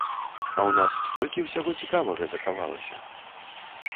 А ў нас столькі ўсяго цікавага захавалася!